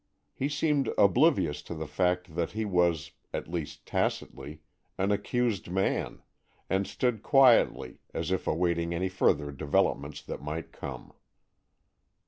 He seemed oblivious to the fact that he was—at least tacitly—an accused man, and stood quietly, as if awaiting any further developments that might come.